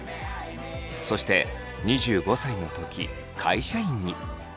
そして２５歳の時会社員に。